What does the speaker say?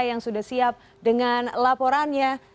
yang sudah siap dengan laporannya